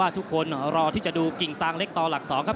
อ่ารูปร่างโครงสร้างไฟแดงน่ารักเหลือเกินนะครับ